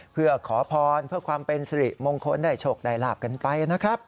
เพื่อขอพรเพื่อความเป็นสิริมงคลได้โชคได้ลาบกันไปนะครับ